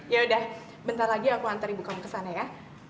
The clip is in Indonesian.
yaudah bentar lagi aku antar ibu kamu kesana ya